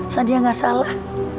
sania gak salah